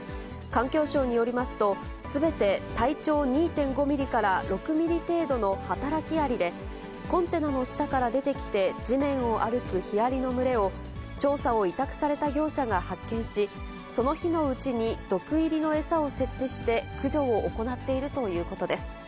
環境省によりますと、すべて体長２．５ミリから６ミリ程度の働きアリで、コンテナの下から出てきて、地面を歩くヒアリの群れを、調査を委託された業者が発見し、その日のうちに毒入りの餌を設置して、駆除を行っているということです。